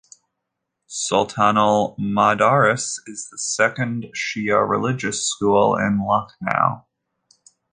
Sultanul Madaris is the second Shia religious school in Lucknow.